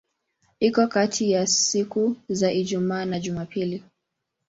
Iko kati ya siku za Ijumaa na Jumapili.